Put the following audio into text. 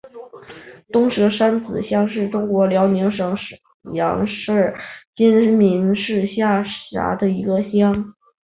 东蛇山子乡是中国辽宁省沈阳市新民市下辖的一个乡。